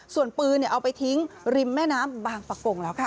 ส่วนปืนเอาไปทิ้งริมแม่น้ำบางประกงแล้วค่ะ